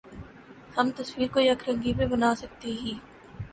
ہم تصویر کو یک رنگی بھی بنا سکتے ہی